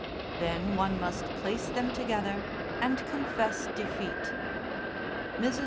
Then one must place them together and confess defeat. Mrs.